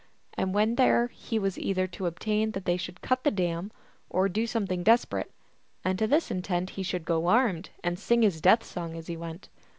And when there he was either to obtain that they should cut the dam, or do something desperate, and to this intent he should go armed, and sing his death song as he went.